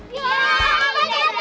ya apa dia tahu